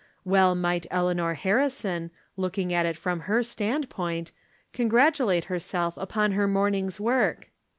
Well might Eleanor Harrison, looking at it from her standpoint, congratulate herself upon her morning's work.